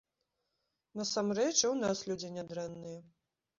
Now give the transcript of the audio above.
Насамрэч, і ў нас людзі нядрэнныя.